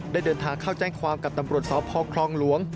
ได้เดินทางเข้าแจ้งความกับตำรวจสพคลองหลวง